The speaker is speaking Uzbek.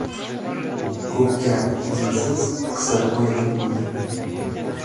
Ko‘pkari ekinsiz qisirpoyada bo‘ldi.